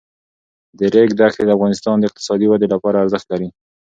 د ریګ دښتې د افغانستان د اقتصادي ودې لپاره ارزښت لري.